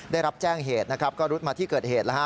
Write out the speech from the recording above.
ได้รับแจ้งเหตุนะครับก็รุดมาที่เกิดเหตุแล้วฮะ